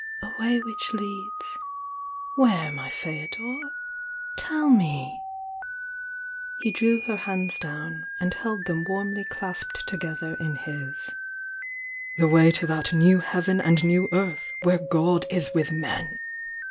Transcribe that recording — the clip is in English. "A way which leads— where, my Feodor? iell He drew her hands down and held them warmly clasped together in his. "The way to that 'new heaven and new eartn where God is with men!"